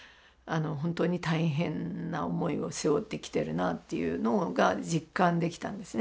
本当に大変な思いを背負って来てるなっていうのが実感できたんですね。